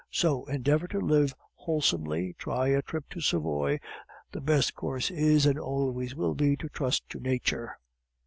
So endeavor to live wholesomely; try a trip to Savoy; the best course is, and always will be, to trust to Nature."